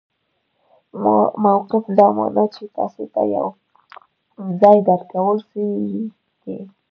موقف دا مانا، چي تاسي ته یو ځای درکول سوی يي.